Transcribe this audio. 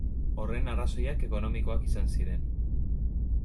Horren arrazoiak ekonomikoak izan ziren.